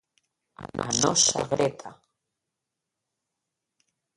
A nosa Greta.